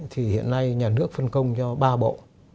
thì hiện nay nhà nước phân công cho ba bộ